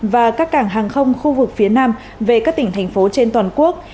và các cảng hàng không khu vực phía nam về các tỉnh thành phố trên toàn quốc